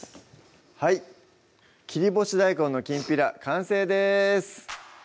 はい「切り干し大根のきんぴら」完成です